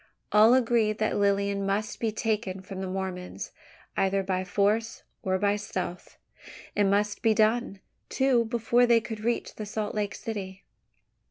All agreed that Lilian must be taken from the Mormons, either by force or by stealth. It must be done, too, before they could reach the Salt Lake city.